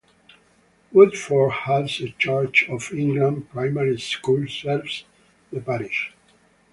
Woodford Halse Church of England Primary School serves the parish.